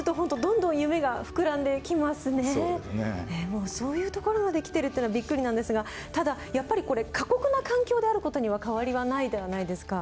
もうそういうところまで来てるっていうのがびっくりなんですがただやっぱりこれ過酷な環境である事には変わりはないではないですか。